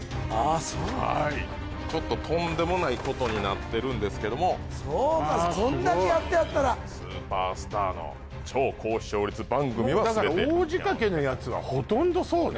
ちょっととんでもないことになってるんですけどもそうかこんだけやってはったらスーパースターの超高視聴率番組は全て大仕掛けのやつはほとんどそうね